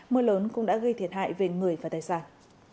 mưa lớn cũng đã gây thiệt hại về người và tài sản